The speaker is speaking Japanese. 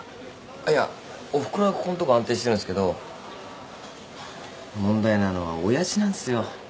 いやおふくろはここんとこ安定してるんすけど問題なのは親父なんすよ。